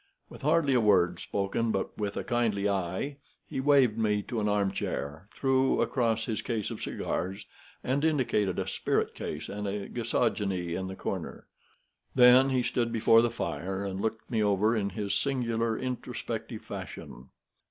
With hardly a word spoken, but with a kindly eye, he waved me to an armchair, threw across his case of cigars, and indicated a spirit case and a gasogene in the corner. Then he stood before the fire, and looked me over in his singular introspective fashion.